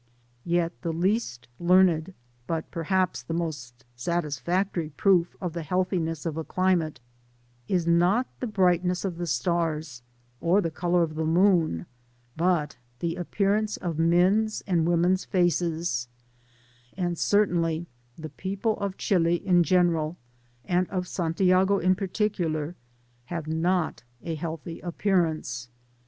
Yet the least learned, but perhaps the most satisfactory proof of the healthiness of a climate is not the brightness of the stars* or the colour of the moon, but the appearance of men's and women's faces ; and certainly the people of Chili in general, and of Santiago in particular, have not a healthy appeajrance.